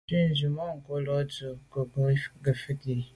Nzwi tswemanko’ lo’ ndu i nke ngo’ ngefet yi.